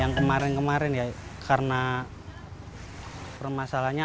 yang kemarin kemarin ya karena permasalahannya